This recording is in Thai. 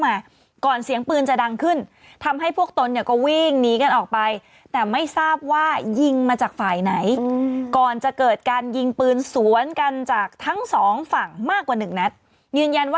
มาก่อนน่ะสมัยก่อนก็ไม่มีนี่นะใช่แล้วมันอ้าน้างเกิน